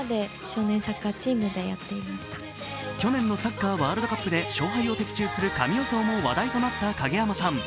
去年のサッカー・ワールドカップでも勝敗を的中する神予想も話題となった影山さん。